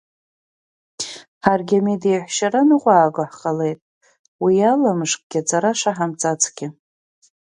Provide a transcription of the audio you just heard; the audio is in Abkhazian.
Ҳаргьы амедеҳәшьара ныҟәааго ҳҟалеит, уи ала мышкгьы аҵара шаҳамҵацгьы.